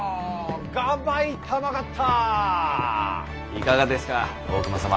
いかがですか大隈様。